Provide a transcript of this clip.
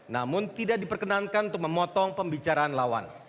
namun tidak diperkenankan untuk memotong pembicaraan lawan